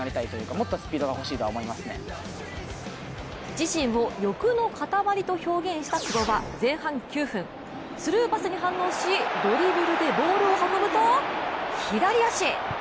自身を欲の塊と表現した久保は前半９分、スルーパスに反応し、ドリブルでボールを運ぶと、左足。